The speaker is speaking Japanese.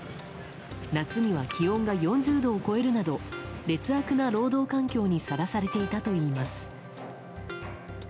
夏には気温が４０度を超えるなど劣悪な労働環境にさらされていたといいます。